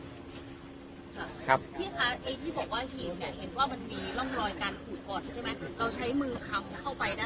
พี่ค่ะไอ้ที่บอกว่าอีกทีอยากเห็นว่ามันมีร่องรอยการผูกก่อนใช่ไหม